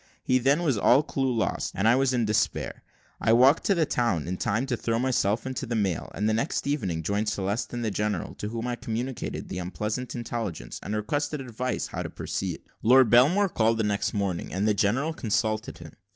Here, then, was all clue lost, and I was in despair, I walked to the town in time to throw myself into the mail, and the next evening joined Celeste and the general, to whom I communicated the unpleasant intelligence, and requested advice how to proceed. Lord Belmore called the next morning, and the general consulted him.